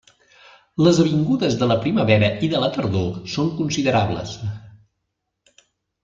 Les avingudes de la primavera i de la tardor són considerables.